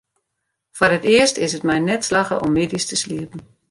Foar it earst is it my net slagge om middeis te sliepen.